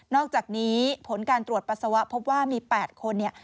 อกจากนี้ผลการตรวจปัสสาวะพบว่ามี๘คนเนี่ย